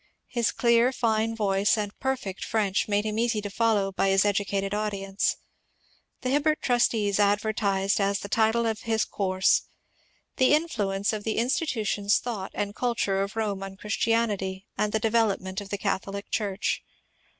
His clear, fine voice and perfect French made him easy to follow by his edu cated audience. The Hibbert trustees advertised as the title of his course :" The Influence of the Institutions, Thought, and Cidture of Rome on Christianity, and the Development of the Catholic Church."